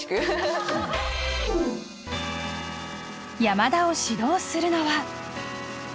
山田を指導するのは。